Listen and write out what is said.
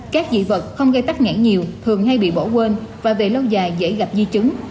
các dị vật không gây tắc nghẽn nhiều thường hay bị bỏ quên và về lâu dài dễ gặp di chứng